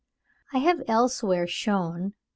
I have elsewhere shewn (32.